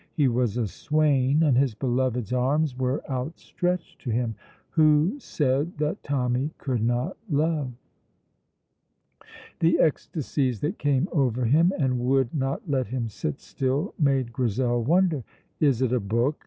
He was a swain, and his beloved's arms were outstretched to him. Who said that Tommy could not love? The ecstasies that came over him and would not let him sit still made Grizel wonder. "Is it a book?"